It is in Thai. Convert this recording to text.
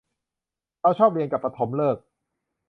เราชอบเรียนกับปฐมฤกษ์